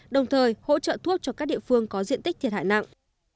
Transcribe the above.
đồng thời hỗ trợ thuốc cho các địa phương có diện tích thiệt hại nặng